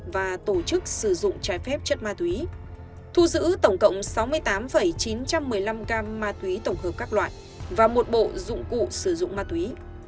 và tổ chức sử dụng trái phép chất ma túy thu giữ tổng cộng sáu mươi tám chín trăm một mươi năm gam ma túy tổng hợp các loại và một bộ dụng cụ sử dụng ma túy